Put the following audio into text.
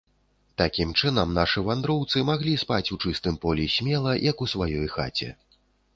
Такім чынам, нашы вандроўцы маглі спаць у чыстым полі смела, як у сваёй хаце.